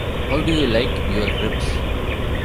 How do you like your ribs?